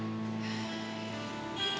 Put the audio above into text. sayang kalau menurut mama